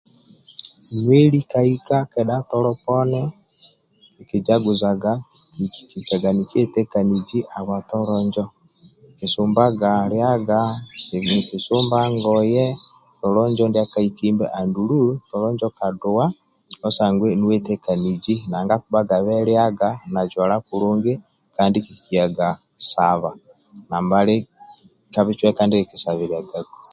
Nweli kahika kedha tolo poni ndiekikietekanizaga kikijaguzaga kedha kikilikaga nikietakanizi hahwa tolo injo kikisumbaga liaga, kisumba ngoye tolo njo ndiakahikimbe andulu tolo injo ka kaduwa osangwe niwetekanizi nanga akibhagabe liaga na jwala kulungi kandi kikiyaga hambali ka bicweka ndie kikisabiliagaku